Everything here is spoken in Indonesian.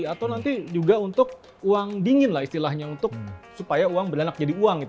atau nanti juga untuk uang dingin lah istilahnya untuk supaya uang beranak jadi uang